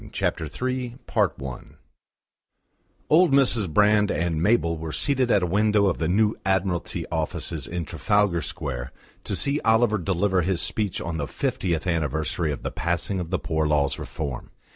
CHAPTER III I Old Mrs. Brand and Mabel were seated at a window of the new Admiralty Offices in Trafalgar Square to see Oliver deliver his speech on the fiftieth anniversary of the passing of the Poor Laws Reform.